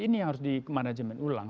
ini yang harus di manajemen ulang